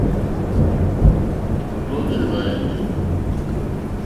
Ò rzóhwì hwàèní.